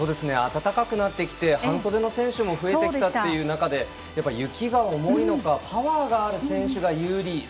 暖かくなってきて半袖の選手も増えきたという中で雪が重いのかパワーのある選手が有利。